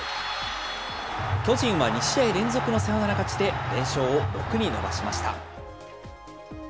巨人は２試合連続のサヨナラ勝ちで、連勝を６に伸ばしました。